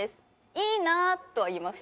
「いいなぁ！」とは言います。